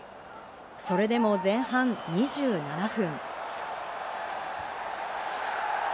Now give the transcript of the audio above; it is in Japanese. それでも前半２７分。